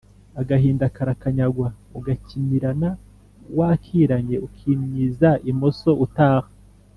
agahinda karakanyagwa, ugakimirana wakiranye, ukimyiza imoso utaha